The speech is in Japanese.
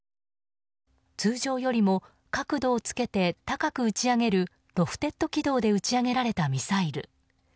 通常よりも角度をつけて高く打ち上げるロフテッド軌道で打ち上げられたミサイル。